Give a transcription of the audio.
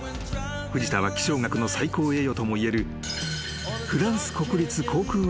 ［藤田は気象学の最高栄誉ともいえる］